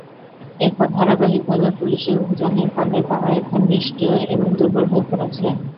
এরপর ধারাবাহিকভাবে পুলিশি অভিযানের ফলে তারা এখন নিষ্ক্রিয় এবং দুর্বল হয়ে পড়েছে।